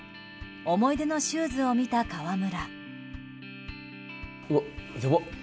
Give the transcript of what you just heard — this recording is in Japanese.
思い出のシューズを見た河村。